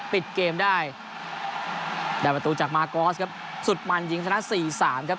ปิดเกมได้ได้ประตูจากมากอสครับสุดมันยิงชนะสี่สามครับ